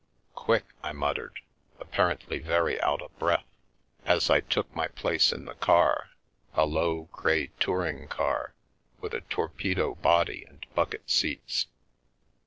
"Quick!" I muttered, apparently very out of breath M u The Milky Way as I took my place in the car — a low grey touring car, with a torpedo body and bucket seats.